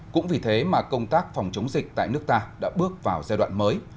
cũng vì thế mà công tác phòng chống dịch tại nước ta đã bước vào giai đoạn mới